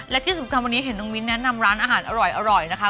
และที่สำคัญวันนี้เห็นน้องมิ้นแนะนำร้านอาหารอร่อยนะคะ